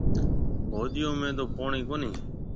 هوديون ۾ تو پوڻِي ڪونهي۔